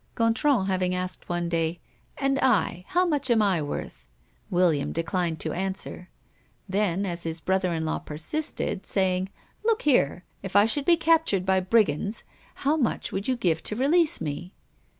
Gontran having asked one day: "And I how much am I worth?" William declined to answer; then, as his brother in law persisted, saying: "Look here! If I should be captured by brigands, how much would you give to release me?"